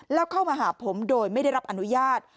แล้วเข้ามาหาผมโดยไม่ได้รับอนุญาต